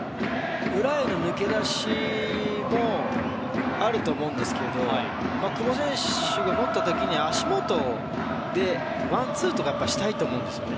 裏への抜け出しもあると思うんですが久保選手が持った時に足元でワンツーとかをしたいと思うんですよね。